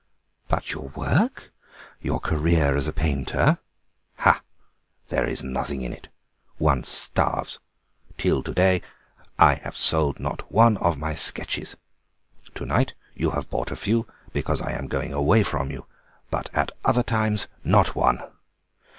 "But your work? Your career as painter?" "Ah, there is nossing in it. One starves. Till to day I have sold not one of my sketches. To night you have bought a few, because I am going away from you, but at other times, not one."